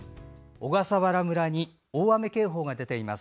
小笠原村に大雨警報が出ています。